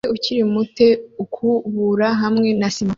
Umugore ukiri muto ukubura hamwe na sima